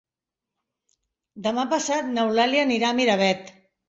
Demà passat n'Eulàlia anirà a Miravet.